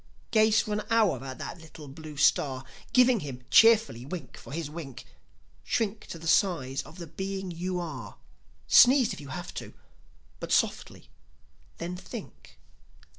Gaze for an hour at that little blue star, Giving him, cheerfully, wink for his wink; Shrink to the size of the being you are; Sneeze if you have to, but softly; then think.